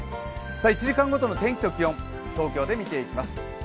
１時間ごとの天気と気温、東京で見ていきます。